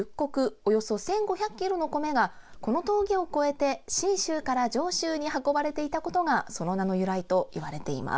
およそ１５００ｋｇの米がこの峠を越えて、信州から上州に運ばれていたことがその名の由来と言われています。